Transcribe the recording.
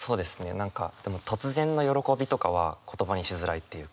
何かでも突然の喜びとかは言葉にしづらいっていうか。